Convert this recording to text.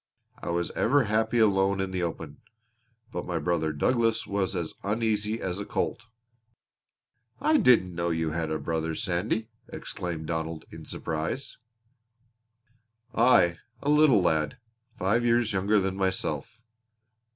I was ever happy alone in the open; but my brother Douglas was uneasy as a colt." "I didn't know you had a brother, Sandy!" exclaimed Donald, in surprise. "Aye, a little lad, five years younger than myself."